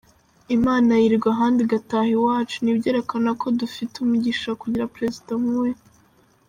Imana yirigwa ahandi igataha i wacu, ni byerekana kondufite umugisha kujyira President huyu.